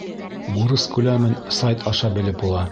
Бурыс күләмен сайт аша белеп була